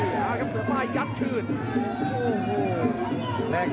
สวัสดีครับสวัสดีครับสวัสดีครับ